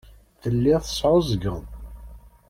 Telliḍ tesɛuẓẓgeḍ.